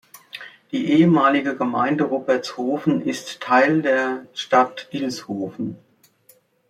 Die ehemalige Gemeinde Ruppertshofen ist Teil der Stadt Ilshofen.